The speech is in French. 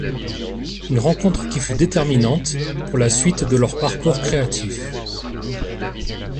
Une rencontre qui fut déterminante pour la suite de leurs parcours créatifs.